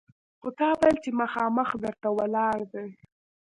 خو تا ویل چې مخامخ در ته ولاړ دی!